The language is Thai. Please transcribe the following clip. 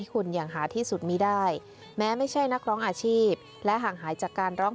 ตึงแต่เล็กจนตัวจำได้ทุกอย่าง